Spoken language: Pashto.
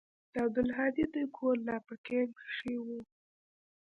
د عبدالهادي دوى کور لا په کمپ کښې و.